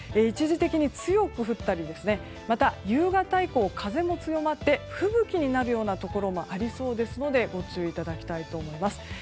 一時的に強く降ったりまた、夕方以降風も強まって吹雪になるようなところもありそうですのでご注意いただきたいと思います。